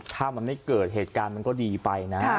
ถ้ามันไม่เกิดเหตุการณ์มันก็ดีไปนะ